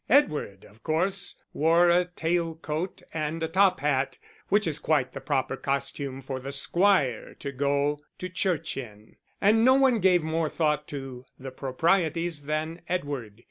Edward, of course, wore a tail coat and a top hat, which is quite the proper costume for the squire to go to church in, and no one gave more thought to the proprieties than Edward.